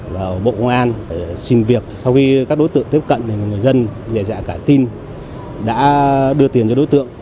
và bộ công an xin việc sau khi các đối tượng tiếp cận người dân dạy dạy cả tin đã đưa tiền cho đối tượng